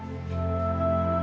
ayang kamu mau ke mana